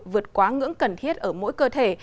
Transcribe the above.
vượt quá ngưỡng cần thiết ở mỗi cơ thể